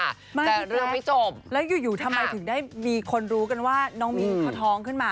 ไม่คือเรื่องไม่จบแล้วอยู่ทำไมถึงได้มีคนรู้กันว่าน้องมินเขาท้องขึ้นมา